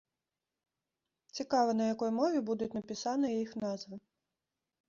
Цікава, на якой мове будуць напісаныя іх назвы.